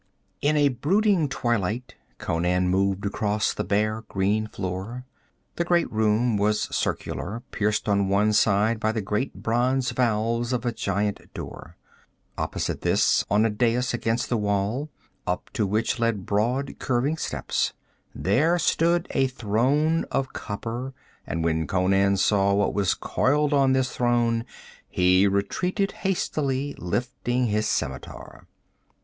In a brooding twilight Conan moved across the bare green floor. The great room was circular, pierced on one side by the great bronze valves of a giant door. Opposite this, on a dais against the wall, up to which led broad curving steps, there stood a throne of copper, and when Conan saw what was coiled on this throne, he retreated hastily, lifting his scimitar.